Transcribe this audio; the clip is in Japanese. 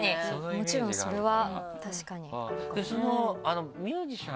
もちろんそれは確かにあるかも。